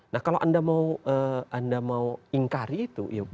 nah kalau anda mau ingkari itu